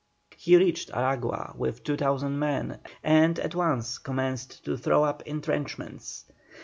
He reached Aragua with 2,000 men and at once commenced to throw up entrenchments.